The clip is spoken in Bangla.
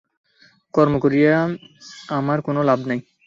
কর্ম করিয়া আমার কোন লাভ নাই।